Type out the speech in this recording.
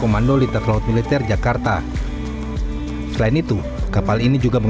diangkut oleh kapal perang yang diangkut oleh kapal perang yang diangkut oleh kapal perang yang